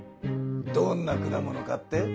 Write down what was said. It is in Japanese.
どんな果物かって？